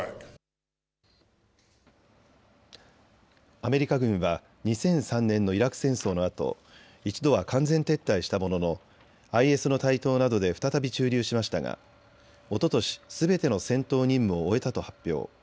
アメリカ軍は２００３年のイラク戦争のあと一度は完全撤退したもののＩＳの台頭などで再び駐留しましたがおととし、すべての戦闘任務を終えたと発表。